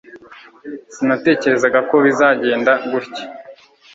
Sinatekerezaga ko bizagenda gutya